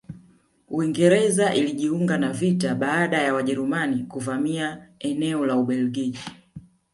Uingereza ilijiunga na vita baada ya Wajerumani kuvamia eneo la Ubelgiji